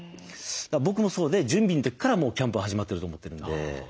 僕もそうで準備の時からもうキャンプは始まってると思ってるんで。